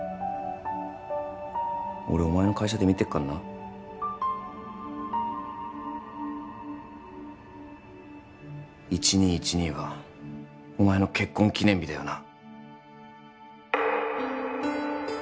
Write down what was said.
俺お前の会社で見てっかんな１２１２はお前の結婚記念日だよな？